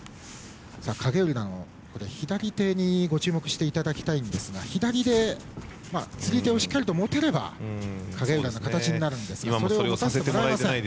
影浦の左手に注目していただきたいですが左で釣り手をしっかりと持てれば影浦の形になりますが持たせてもらえません。